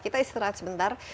kita istirahat sebentar